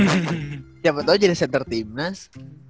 siapa tau jadi center timnas